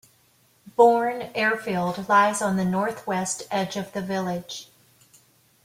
Bourn Airfield lies on the north-west edge of the village.